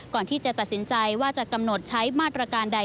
ก่อนที่จะตัดสินใจว่าจะกำหนดใช้มาตรการใด